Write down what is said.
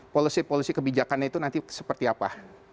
polisi polisi kebijakannya itu nanti seperti apa